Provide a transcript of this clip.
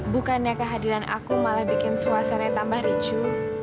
bukannya kehadiran aku malah bikin suasana tambah ricu